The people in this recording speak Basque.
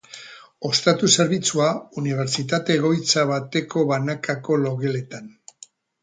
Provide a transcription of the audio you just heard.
Ostatu zerbitzua, unibertsitate egoitza bateko banakako logeletan.